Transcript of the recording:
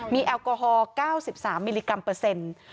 มีแอลกอฮอล๙๓มิลลิกรัมเปอร์เซ็นต์